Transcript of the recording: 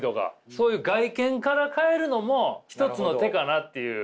そういう外見から変えるのも一つの手かなっていう。